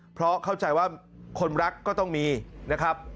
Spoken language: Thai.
เพราะเข้าใจว่าคนรักก็ต้องมีนะครับ